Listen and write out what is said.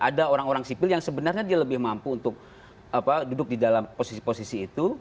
ada orang orang sipil yang sebenarnya dia lebih mampu untuk duduk di dalam posisi posisi itu